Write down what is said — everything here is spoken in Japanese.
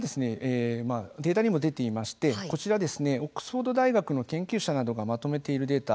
データにも出ていましてオックスフォード大学の研究者などがまとめているデータ